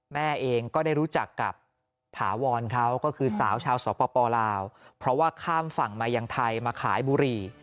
แม่เองก็ได้รู้จักกับถาวรเขาก็คือสาวชาวสปลาวเพราะว่าข้ามฝั่งมายังไทยมาขายบุหรี่